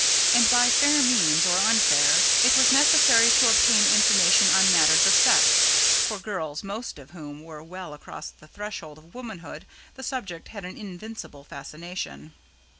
And, by fair means or unfair, it was necessary to obtain information on matters of sex; for girls most of whom were well across the threshold of womanhood the subject had an invincible fascination.